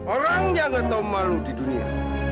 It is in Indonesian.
orang yang gak tau malu di dunia